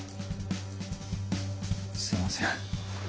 すいません。